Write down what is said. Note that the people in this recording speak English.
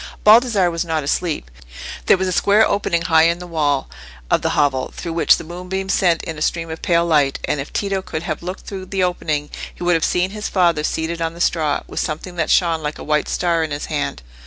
Baldassarre was not asleep. There was a square opening high in the wall of the hovel, through which the moonbeams sent in a stream of pale light; and if Tito could have looked through the opening, he would have seen his father seated on the straw, with something that shone like a white star in his hand.